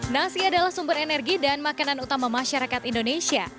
nasi adalah sumber energi dan makanan utama masyarakat indonesia